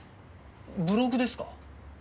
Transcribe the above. ブログですか？